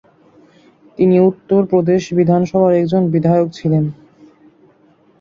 তিনি উত্তরপ্রদেশ বিধানসভার একজন বিধায়ক ছিলেন।